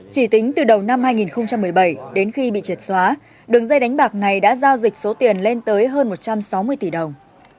chỉ tính từ đầu năm hai nghìn một mươi bảy đến khi bị triệt xóa đường dây đánh bạc này đã giao dịch số tiền lên tới hơn một trăm sáu mươi tỷ đồng